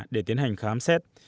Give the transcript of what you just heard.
để tiến hành khám xét